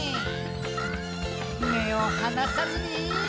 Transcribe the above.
めをはなさずに。